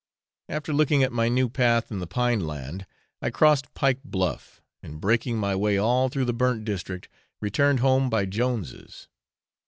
After looking at my new path in the pine land, I crossed Pike Bluff, and breaking my way all through the burnt district, returned home by Jones's.